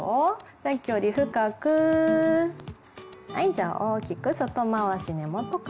さっきより深くはいじゃあ大きく外回し根元から。